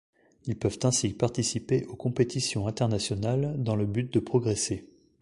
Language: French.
Ils peuvent ainsi participer aux compétitions internationales dans le but de progresser.